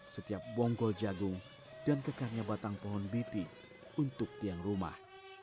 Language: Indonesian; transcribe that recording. setiap bonggol jagung dan kekarnya batang pohon biti untuk tiang rumah